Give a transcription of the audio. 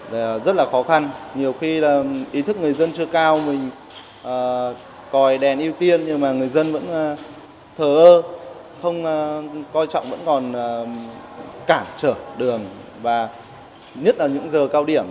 và nhất là những giờ cao điểm